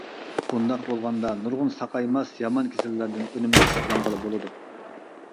بۇنداق بولغاندا نۇرغۇن ساقايماس يامان كېسەللىكلەردىن ئۈنۈملۈك ساقلانغىلى بولىدۇ.